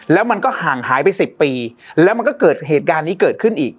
แล้วมันก็ห่างหายไป๑๐ปีแล้วมันก็เกิดเหตุการณ์นี้เกิดขึ้นอีก